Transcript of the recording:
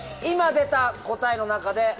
今出た答えの中で。